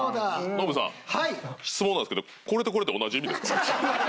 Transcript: ノブさん質問なんですけどこれとこれって同じ意味ですか？